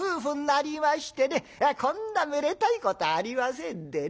こんなめでたいことはありませんでね